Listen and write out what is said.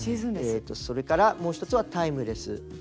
それからもう１つはタイムレス。